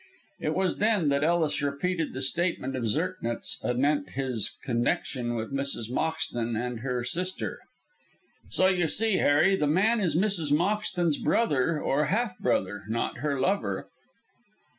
It was then that Ellis repeated the statement of Zirknitz anent his connection with Mrs. Moxton and her sister. "So you see, Harry, the man is Mrs. Moxton's brother, or half brother not her lover."